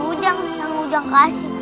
udang yang udang kasih